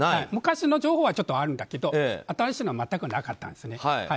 昔の情報はちょっとあるんだけど新しいのは全くなかったんですね。